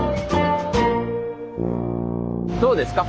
どうですか